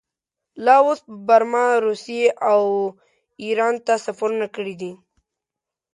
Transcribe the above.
لاوس، برما، روسیې او ایران ته سفرونه کړي دي.